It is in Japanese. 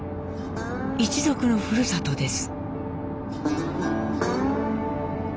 一族のふるさとです。